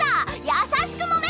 優しくもめ！